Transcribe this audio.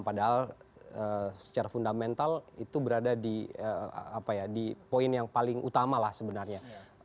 padahal secara fundamental itu berada di poin yang paling utama lah sebenarnya